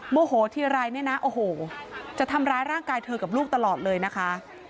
โมโหทีไรเนี่ยนะโอ้โหจะทำร้ายร่างกายเธอกับลูกตลอดเลยนะคะ